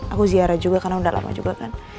aku ziarah juga karena udah lama juga kan